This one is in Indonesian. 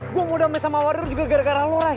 gue mau damai sama wario juga gara gara lo rai